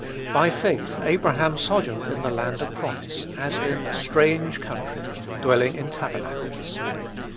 "By faith Abraham sojourned in the land of promise, as in a strange country, dwelling in tabernacles."